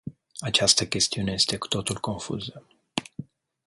Această chestiune este cu totul confuză.